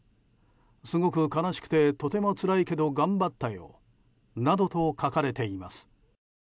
すごく悲しくてとてもつらいけど頑張ったよなどと書かれています。